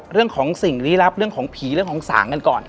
เรื่องของสิ่งลี้ลับเรื่องของผีเรื่องของสางกันก่อน